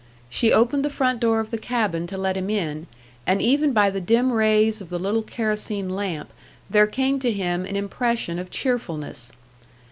She opened the front door of the cabin to let him in, and even by the dim rays of the little kerosene lamp, there came to him an impression of cheerfulness.